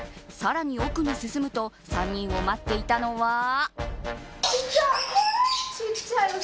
さらに奥に進むと３人を待っていたのは。